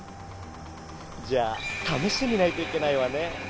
じゃあためしてみないといけないわねえ。